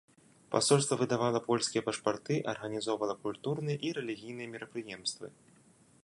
Пасольства выдавала польскія пашпарты, арганізоўвала культурныя і рэлігійныя мерапрыемствы.